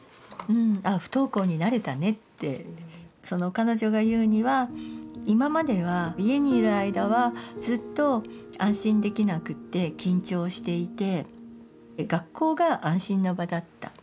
彼女が言うには今までは家にいる間はずっと安心できなくって緊張していて学校が安心な場だった。